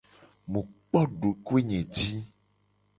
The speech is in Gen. Mu kpo dokoe nye ji.